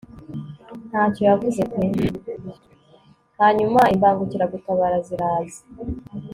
Hanyuma imbangukiragutabara ziraza